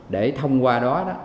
để thông qua đó